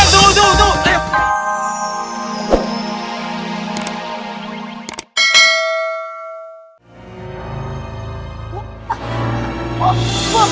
tunggu tunggu tunggu